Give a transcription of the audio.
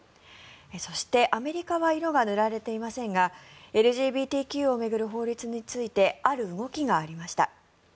そしてアメリカは色が塗られていませんがＬＧＢＴＱを巡る法律についてある動きがありました。